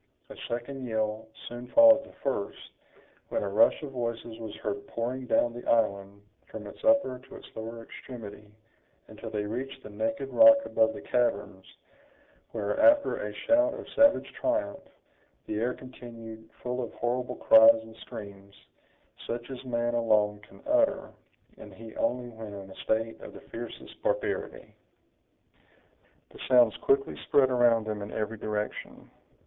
A second yell soon followed the first, when a rush of voices was heard pouring down the island, from its upper to its lower extremity, until they reached the naked rock above the caverns, where, after a shout of savage triumph, the air continued full of horrible cries and screams, such as man alone can utter, and he only when in a state of the fiercest barbarity. The sounds quickly spread around them in every direction.